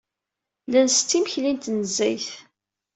La nsett imekli n tnezzayt.